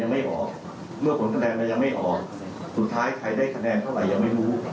ไม่ออกเมื่อผลคะแนนมันยังไม่ออกสุดท้ายใครได้คะแนนเท่าไหร่ยังไม่รู้